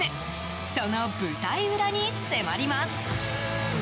その舞台裏に迫ります。